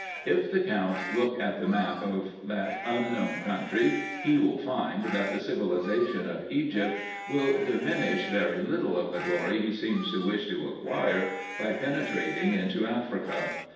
If the Count look at the map of that unknown country, he will find, that the civilization of Egypt will diminish very little of the glory he seems to wish to acquire by penetrating into Africa.